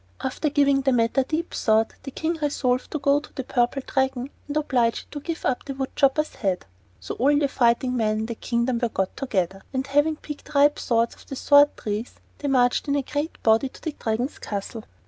After giving the matter deep thought, the King resolved to go to the Purple Dragon and oblige it to give up the wood chopper's head. So all the fighting men in the kingdom were got together, and, having picked ripe swords off the sword trees, they marched in a great body to the Dragon's castle.